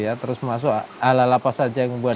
ya terus masuk ala ala pas aja membuat